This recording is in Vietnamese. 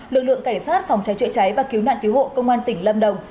lực lượng cảnh sát phòng trái trợ cháy và cứu nạn cứu hộ công an tỉnh lâm đồng